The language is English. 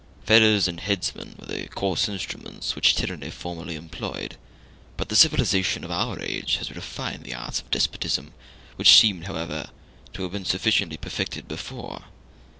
Fetters and headsmen were the coarse instruments which tyranny formerly employed; but the civilization of our age has refined the arts of despotism which seemed, however, to have been sufficiently perfected before.